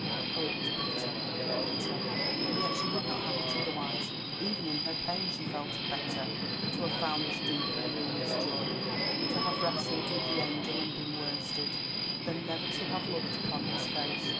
Oh, it was bitter, bitter! and yet she would not have it otherwise. Even in her pain she felt it better to have found this deep and ruinous joy, to have wrestled with the Angel and been worsted, than never to have looked upon his face.